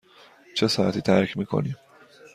چه ساعتی ترک می کنیم؟